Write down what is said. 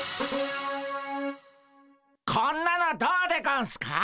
こんなのどうでゴンスか？